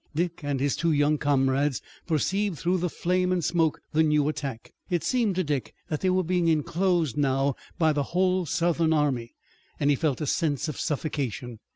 Dick and his two young comrades perceived through the flame and smoke the new attack. It seemed to Dick that they were being enclosed now by the whole Southern army, and he felt a sense of suffocation.